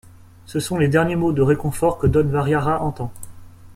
Ce sont les derniers mots de réconfort que Don Variara entend.